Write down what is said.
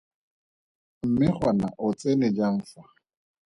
Mme gona o tsene jang fa?